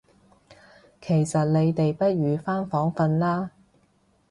其實你哋不如返房訓啦